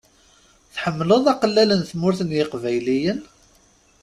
Tḥemmleḍ aqellal n Tmurt n yeqbayliyen?